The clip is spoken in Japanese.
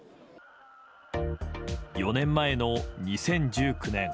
４年前の２０１９年。